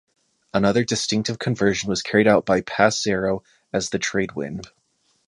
Another distinctive conversion was carried out by PacAero as the Tradewind.